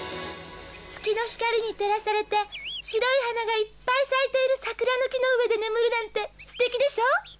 月の光に照らされて白い花がいっぱい咲いている桜の木の上で眠るなんて素敵でしょ？